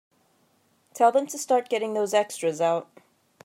Tell them to start getting those extras out.